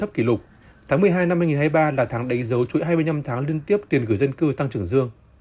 thấp kỷ lục tháng một mươi hai năm hai nghìn hai mươi ba là tháng đánh dấu chuỗi hai mươi năm tháng liên tiếp tiền gửi dân cư tăng trưởng dương